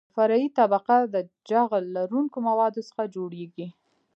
فرعي طبقه د جغل لرونکو موادو څخه جوړیږي